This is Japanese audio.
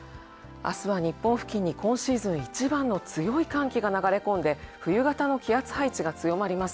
日本付近には今シーズン一番の寒気が流れ込んで冬型の気圧配置が強まります。